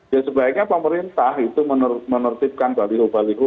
ya sebaiknya pemerintah itu menertibkan balihu balihu